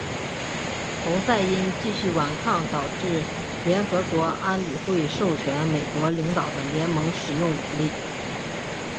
侯赛因继续顽抗导致联合国安理会授权美国领导的联盟使用武力。